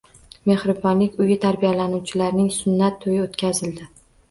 Mehribonlik uyi tarbiyalanuvchilarining sunnat to‘yi o‘tkazildi